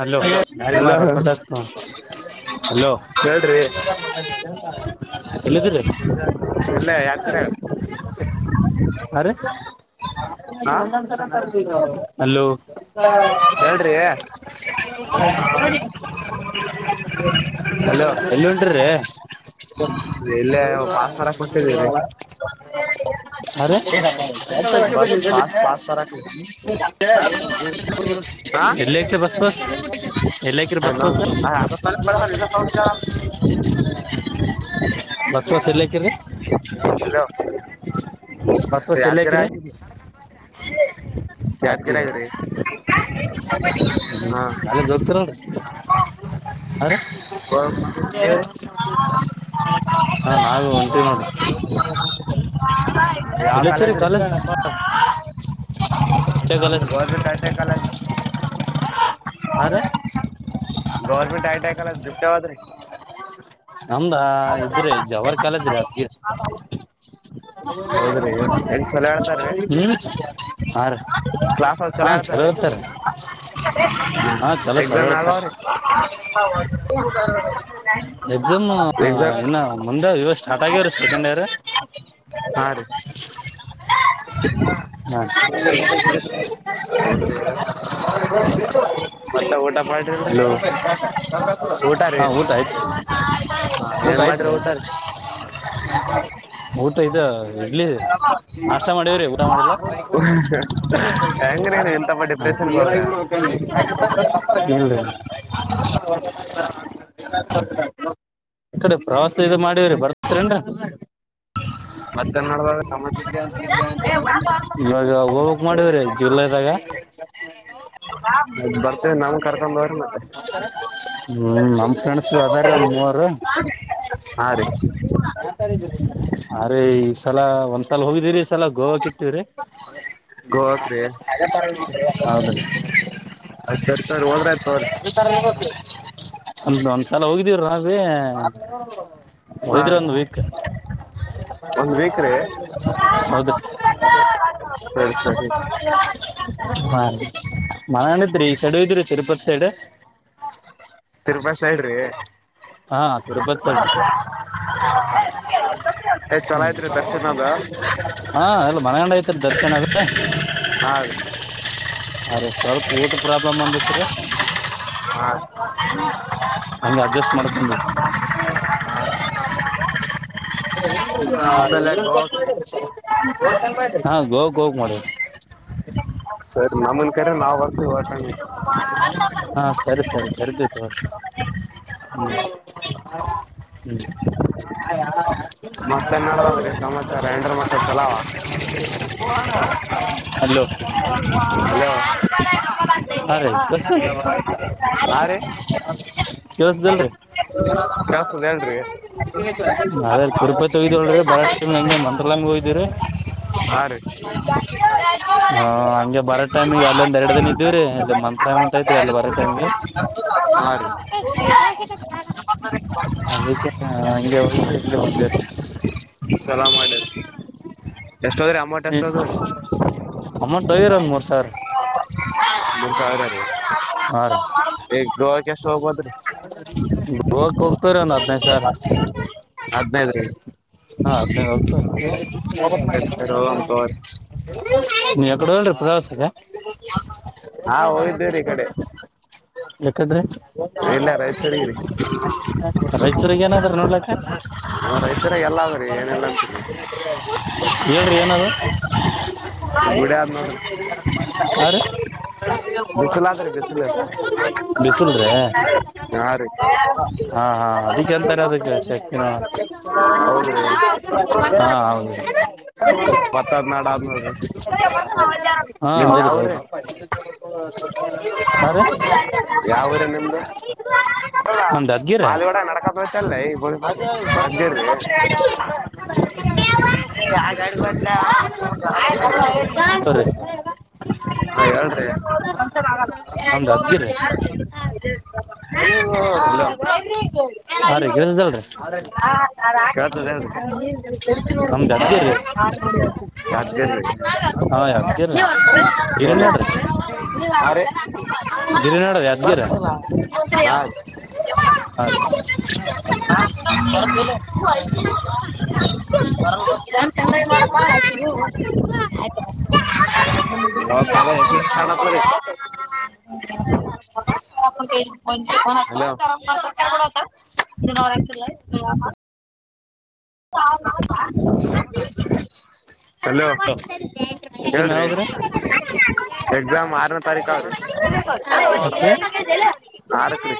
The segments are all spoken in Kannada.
ಹಲೋ ಗಾರಿ ಮಟ ಹಲೋ ಎಲ್ಲಿದ್ದೀರಿ ಅರೆ ಹಲೋ ಎಲ್ಲ್ ಉಂಡ್ರಿ ಎಲ್ಲೇ ಪಾಸ್ಥರ ಕೊಟ್ಟಿದಿರಿ ಪ ತರಾಕ್ಕೆ ಎಲ್ಲಿ ಆಯಿತೇ ಬಸು ಹದು ತ ಬೌ ಬಸ್ಪಸ್ ಎಲ್ಲಾಕೆರೆ ಬಸ್ಪಸ್ ಎಲ್ಲಾಕೆ ರೆ ಹೇ ಹದ್ದಿರ ಹ್ಮ್ ಹರೆ ಹೋ ಮಗ್ಳು ದೇವ್ರೆ ಹಾ ನಾವೇ ಹೊಂಟಿವಿ ನೋಡು ಇಲ್ಲಚರಿ ಕಾಲ. ಚೆ ಗಲತ್. [inaudible] ಗಾರ್ಮಿಟ ಐಟಿಯ ಕಾಲೇಜು ಬಿಟ್ಟೇ ಹೋದಿರಿ. ನಮ್ದ ಇದ್ರಿ ಜವರ್ ಕಾಲೇಜು ಅದ್ಗಿ. ನಿಮ್ಮ ಪಾದ. ಕ್ಲಾಸ್ ಅವರ ಚಲೋ ಹೇಳ್ತಾರೀ. ಎಕ್ಸಾಮ್ ಯಾವಾಗ ಅವರಿ. ಎಕ್ಸಾಮ್ ಇನ್ನ ಮುಂದೆ ಇವಾಗ ಸ್ಟಾರ್ಟ್ ಆಗ್ಯವರಿ ಸೆಕೆಂಡ್ ಇಯರ್‌. ಹಾ ರೀ. [inaudible] ಮತ್ತೆ ಊಟ ಮಾಡ್ರಿ ಇಲ್ಲಿ. ಊಟ ರೀ. ಹ ಏನ್ ಮಾಡ್ರಿ ಊಟ ರೀ. ಊಟ ಇದು ಇಡ್ಲಿದು. ನಾಷ್ಟ ಮಾಡೀವ್ರಿ ಊಟ ಮಾಡಿಲ್ಲ. ನೀರಾಗೆ ಬಿಡಬೇಕು ಏನ್ರೀ ಆಯ್ತು ಏನ್ರಿ ಈ ಕಡೆ ಪ್ರವಾಸ ಇ ಮಾಡವ್ರಿ ಬರ್ತೇಂಡ ನಗ ಹೋಗ ಬುಕ್ ಮಾಡಿವ್ರೀ ಜುಲೈದಾಗ ಹ್ಮ್ ನಮ್ ಫ್ರೆಂಡ್ಸ್ ಅದಾರ ಮೂವರು ಹಾ ರೀ ಅ ರೀ ಈ ಸಲ ಒಂದ್ಸಲ ಹೋಗಿದೀ್ರರಿ ಸಲ ಗೋವಾ ಕ ಇಟ್ಟವ್ರಿ ಗೋವಾತ್ ಅಯ್ ಸರಿ ತ್ರ ಹೋದ್ರಯ್ತವರಿ ಅ ಒಂದ್ಸಲ ಹೋಗಿದೀವ ರೀ ಹಯಿದ್ರೆ ಒಂದು್ ವೀಕ್ ಹೌದ್ರೀ ಸರಿ ಸರಿ ಹಾನ್ೀ ಮನಣಿದ್ರಿ ಈ ಸೈಡು ಇದ್ರಿ ತಿರುಪತಿ ಸೈಡ್ ತಿರುಪಾ ಸೈಡ್ ರಿ ಏ ಚಲೋ ಐತ್ರಿ ದರ್ಶನ ಅದು. ಹಾ ಇಲ್ಲಿ ಮನೆ ಅಂಡ್ ಇತ್ತ ದರ್ಶನ್ ಅವರೇ. ಹ. ಅರೇ ಸ್ವಲ್ಪ ಊಟ ಪ್ರಾಬ್ಲಮ್ ಅದರೀ. ಹ್ಮ ಹಂಗೆ ಅರ್ಜೆಸ್ಟ ಮಾಡಿ. ಹ. [unintelligible] ಹಾ ಗೌ ಗೌಕ ಮಾಡ ಸರ್ ನಮನ್ ಕರೆ ನಾವ್ [inaudible] [unintelligible] ಹ್ಮ ಮತ್ತೆನ್ ನಡದದ್ರೀ ಸಮಾಚಾರ ಎಂಡರ ಮಕ್ಳು ಚಲಾವ ಹಲೋ [unintelligible] [unintelligible] [unintelligible] ಹೇಳ್ರಿ [unintelligible] ತಿರುಪತಿ ಹಯ್ದ್ಳರಿ ಬರಟ ಹಂಗೆ ಮಂತ್ರಲಂಗ ಹಯ್ದ್ರರಿ ಹಾ ಹಂಗೆ ಬಾರ ಟೈಮಿಗೆ ಅಲ್ಲಿ ಒಂದ್ ಎರಡು ದಿನ ಇದೀವಿ್ರರಿ ಅಲ್ಲಿ ಮಂತ್ ಟೈ್ ಅಂತ ಐತ್ರಿ ಅಲ್ಲಿ ಬರೋ ಟೈಮ್ಗೆ ಅದಕ್ಕೆ ಹಗೆ [unintelligible] ಸಲಾಮ [unintelligible] ಎಷ್ಟೋ್ರೆ ನೀ ಅಮೌಂಟ್ ತಗೀರಂದ ಮೂರ್ ಸಾರ್ ಹಾ ರೀ [unintelligible] ಎಷ್ಟು ಹೋಗ್ಬದ್ರರಿ [unintelligible] ಹದಿನೈಧ್ರಿ ಸರಿ ಸರಿ ಹೋಗನ ತಗೋ ರಿ ನೀ್ ಯ ಕಡೆ ಹಲ್ರಿ ಪ್ರವಾಸದ ಹಾ ಹೋಗಿದ್ದೇ ರೀ ಈ ಕಡೆ ಯಕಡ್ರಿ ರಾಯಚೂಗ ಏನಾದ್ರ ನೋಡ್ಲಕ್ಕ ರೈತರ ಎಲ್ಲ ಅದೇ ರಿ ಏನೆಲ್ಲ ಅಂತರಿ ಏನಾರ ವಿಡಿಯೋ ಅದ ನೋಡ್ರಿ ಬಿಸಿಲಾದ್ರೆ ಬಿಸಿಲ ಹಾ ರೀ ಹಾ ಹೌದು ಮತ್ತದ್ನಾಡು ಆದ ನಿಮ್ದ ಯಾವ್ರ ಯಾವರ ನಿಮ್ದು ಇಲ್ಲ ಮಾಲ್ಗಡೆ ನಡಕ ತ್ತಲ್ಲ ಇ [unintelligible] [unintelligible] ಹಾ ಹೇಳ್ರೀ ಹಾ ಹಾ ಯ ಅ [unintelligible] ಬರ್ತಲ್ಲ ಹಾಗ ಹಾ ನರ ಬ [unintelligible] ಚಂಗಿ ಮಾಡಪ್ಪಾ ಹಯತವಿ ಮಾಡ್ತವಿ ಲ್ಲ ಹೆಷ್ಟ ನಿ ಶಣ ರ [unintelligible] ಡ [unintelligible] ಇರಕ್ಕಲ್ಲ ವಿಮ ಹ [unintelligible] ಹಲೋ ಹೇಳ್ರಿ ಎಕ್ಸಾಮ್ ಆರ್ನ ಸರಿಕಾವ್ರಿ ಆರಕ್ರೀ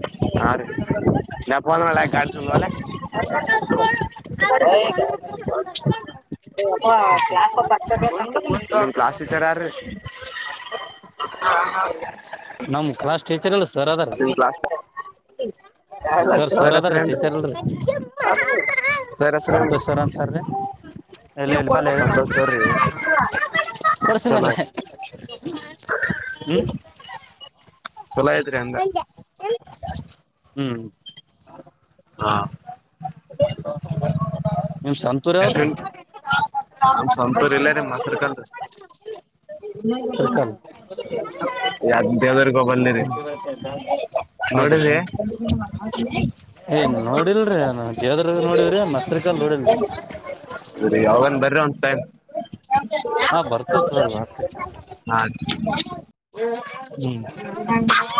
[unintelligible] ನಪ ಗಾ [unintelligible] ಹಾ [unintelligible] [unintelligible] ಕ್ಲಾಸ್ ಟೀಚರ್ ಯಾರ ಹಾ ಹೌ [unintelligible] ನಮ ಕ್ಲಾಸ್ ಟೀಚರ್ಗಳು ಸರ್ ಅದಾರ ಸರ್ ಸರ್ ಅದಾರೀ ಟೀಚರ್ ಅಲ್ರೀ ಸಂತೋಷರ ಅಂತಾರ್ರೀ ಎಲ್ಲ ಎಲ್ಲಿ ಬಲ್ ಕೊಡ್ಸಿನಲ್ಲೇ ಚಲೋ ಇದತ್ರಿ ಅಂದ ಹ್ಮ್ ಹಾ ಹ [unintelligible] ಎಷ್ಟಂ ನಮ ಸಂತೂರ್ ಇಲ್ಲ ರೀ ಮೊಸರ್ ಕಲ್ರಿ ಹ [unintelligible] ಯ ದೇವದ್ರಗಬಲ್ರಿ ನೋಡಿದ್ರಿ ಏ ನೋಡಿಲ್ರಿ ನ ದೇವದ ನೋಡವ್ರಿ ಮಸ್ರಿಕಲ್ ನೋಡಿಲ್ರಿ ಯಾವನ್ ಬರ್ರಿ ಒಂದಸಪಾಯ ಹಾ ಹ್ಮ ನ ಹ [unintelligible]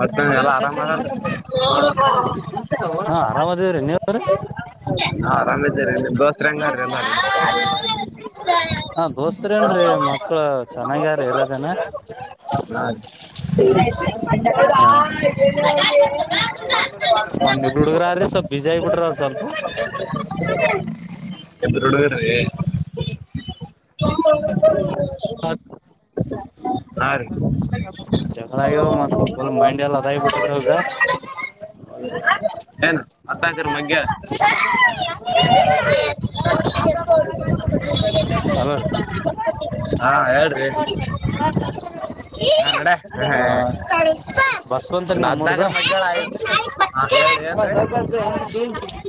ಮತ್ತ ಎಲ್ಲ ಆರಾಮ್ ಆದಲ್ ಹಾ ಆರಾಮ್ದೇವ್ರೀ ನೀವ್ರೀ ಹಾ ಆರಾಮ್ ಇದ್ದೀರಿ ಬಸ್ರ ಹಂಗಾರೀ ಎಲ್ಲ [unintelligible] ಹಾ ದೋಸ್ತ್ ಏನ್ ಮಕ್ಳ ಚೆನ್ನಾಗ್ಯಾರ ಹೇಳಲ್ಲದೇನ ಹ [unintelligible] ಒಂದಿಬ್ರು ಹುಡುಗ್ರ್ರಿ ಸ್ವಲ್ಪ ಬಿಜಿ ಆಗಿಬ ಬಿಟ್ರಿ ಅವ್ ಸ್ವಲ್ಪ ಎರಳರ ಹ [unintelligible] ಹಾ ರಿ ಏನು ಅತ್ತಾತರಿ [unintelligible] ಹಲೋ ರಿ ಹಾ ಹೇಳ್ರಿ [unintelligible] ಹದ್ನಕರ ಮಧ್ಯಾಹ್ನ ಆಯ್ತು ಹ ಹೇಳ ಏನ್ರೀ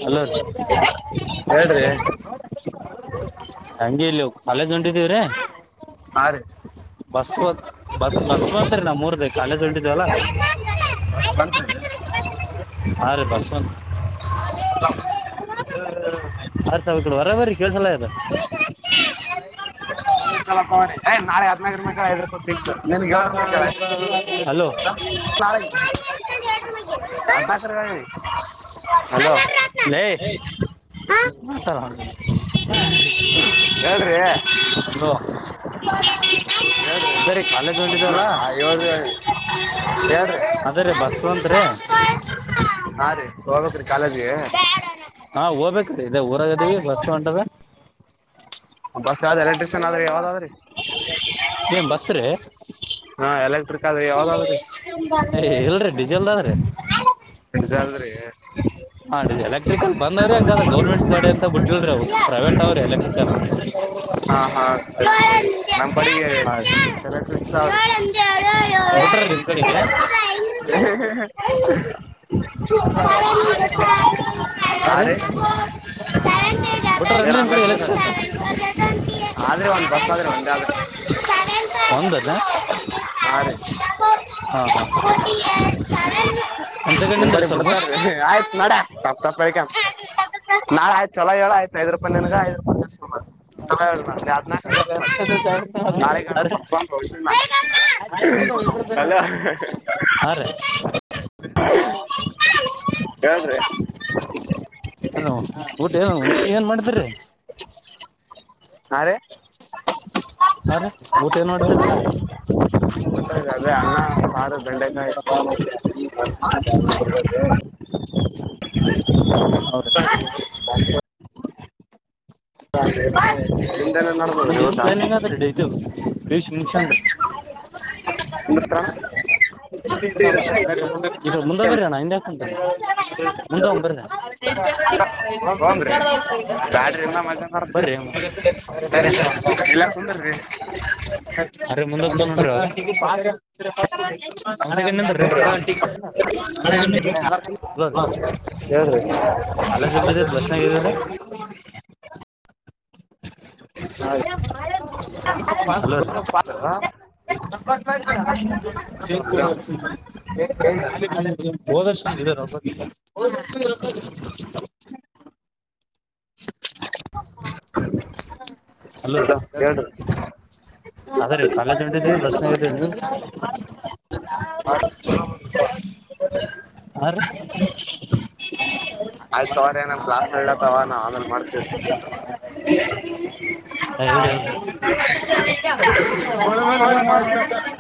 ಅಲೋ ರೀ ಹಂಗೆ ಇಲ್ಲಿ ಕಾಲೇಜ್ ಒಂಟಿದವ್ರೀ ಹಾ ರೀ ಬಸ್ವತ್ ಬಸ್ ಬಸ್ಸ ಅಂತರಿೀ ನಾ ಮೂರ ದೇ ಕಾಲೇಜ್ ಉಂಟಿದ್ವಲ್ಲ ಹಾಂ ರಿ ಬಸವಂತ್ ಅರ್ ಸಾವಕ ಬರ ಬರಿೀ ಕೇಳಸಲ್ಲ ಇದು [unintelligible] ನಾಳೆ ಹದ್ಿನಲ್ಕುರ [unintelligible] ನಿನ್ಗೆ ಏಡ್ರ ಬಕ್ಕಳೆ [unintelligible] [unintelligible] ಹಲೋ ಮತ ಹೇಳ್ರಿ ಇದ ರೀ ಕಾಲೇಜ್ ಒಂಟಿಡ್ವಾಲ್ಲಾ ಅದೇ ರೀ ಬಸವಂತ್ ರಿ ಹಾ ರೀ ಹೋಗ್ಕ್್ರೀ ಕಾಲೇಜ್ಗೆ ಹಾ ಹೋಗ್ಬೇಕ ರೀ ಇದೇ ಊರಾಗದೀವಿ ಬಸ್ಸ ಹೊಂಟದ ಬಸ್ ಯಾವ್ದ್ ಎಲೆಕ್ಟ್ರಿಷಿಯನ್ ಆದ್ರಿ ಯಾವ್ದಾದ್ರಿ ಹಾ ಎಲೆಕ್ಟ್ರಿಕ್ ಆದ್ರಿ ಯಾವ್ದ್ರೀ [unintelligible] ಎಲೆಕ್ಟ್ರಿಕಲ್ ಬಂದ್ರಿ ಹಂಗಾದ್ರ ಗೌರ್ಮೆಂಟ್ ಗಾಡಿ ಅಂತ ಬಿಟ್ಟಲ್ದ್ರಿ ಅವವು ಪ್ರೈವೇಟ್ ಅವ್ರಿ ಎಲೆಕ್ಟ್ರಿಕಲ್ ಹಾ ಹಾ ಸರಿ ನಮ್ಮ್ ಕಡಿಗೆ ಎಲೆಕ್ಟ್ರಿಕ್ ಅದೇ ಹಾ ಹಾ ಹಾ ಆ ರಿ [unintelligible] ಆದ್ರೆ ಒಂದ್ ಬಸ್ ಆದ್ರೆ ಒಂದೇ ಆದ್ರೆ ಒಂದನ್ನ ಹ [inaudible] ಒಂದು ಸೆಕೆಂಡ್ ನಿಂದ್ರಿ ಸ್ವಲ್ಪ ಆಯ್ತತ್ ನಡ ತಪ್ಪ ತಪ್ಪಿ ಹೇಳಿಕೊಂಡ ನಾ ಆ್ತ ಚಲ ಹೇಳಯ್ತ ಐದು ರೂಪಾಯಿನ್ ಐ ರಪಾಯ [unintelligible] [unintelligible] ಹಾಂ ರೀ ಹಲೋ ಊಟ ಏನ್ ಮಾಡತಾರೆ ಹಾ ರೇ ಹಾ್ರೀ ಊಟ ಏನ್ ಮಾಡಿದ್ರೀ ಅದೇ ಅನ್ನ ಸಾರು ಬೆಂಡೆಕಾಯಿ [unintelligible] ಹೌದ ಹ [unintelligible] ಮುಂದ್ ಏನ್ ಪ್ಲಾನಿಂಗ್ ಆದ್ರೆಡ ಇಐಶ್ ಮುಂಷ ಅಂದ್ರ ನತ್ರ [unintelligible] ಇದು ಮುಂದೆ ಬರಿ ಅಣ ಇದಾಕಂತ ಮುಂದ ಒ ಬರ [unintelligible] ಬರ್ರಿ ಅರೆ ಮುಂದೋಗ್ತ ನೋಡ್ರಿ [inaudible] ಹ [unintelligible] ಅಲ್ಲ ಜಲ್ಡಿದೀರ ಬಸ್ನಾಗಿದೀವ್ರ ಹಲೋ [unintelligible] ಚ ಕೂಡ [unintelligible] ಹೋದರ್ಷ್ಟನ್ ಇದಬ್ಬ [inaudible] ಹಲೋ [unintelligible] ಅದ ರೀ ಕಾಲೇಜ್ ಉಂಟಿದೀ ಬಸ್ನಾಗಿದ ನೀವು ಹ [unintelligible] ಹ ರೀ [inaudible] ಆಯ್ತವ್ರೇ ನಂಗ್ ಕ್ಲಾಸ್ ನಲತಾವ ನಾ ಆಮೇಲ್ ಮಾಡ್ತೇವಿ ಹೇಳರಿ ಹೇಳರಿ ಒಳ ಮ ಹಲ್ಲ ಆಯ್ತ